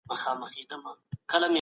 د رسولانو په شان کي سپکاوی کفر دی.